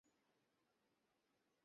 না-কি মরতে চাস?